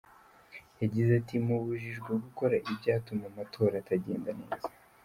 Yagize ati “Mubujijwe gukora ibyatuma amatora atagenda neza.